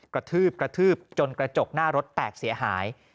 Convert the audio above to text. กระทืบกระทืบจนกระจกหน้ารถแตกเสียหาย